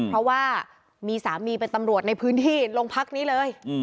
เพราะว่ามีสามีเป็นตำรวจในพื้นที่โรงพักนี้เลย